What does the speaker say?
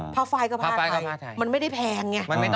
ผ้าไฟก็ผ้าไทยมันไม่ได้แพง